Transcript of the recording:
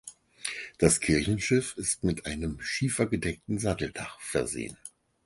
Das Kirchenschiff ist mit einem schiefergedeckten Satteldach versehen.